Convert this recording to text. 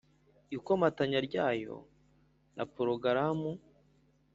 ikomatanya ryayo na porogaramu